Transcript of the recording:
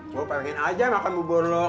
buat millionen aja makan bubur loh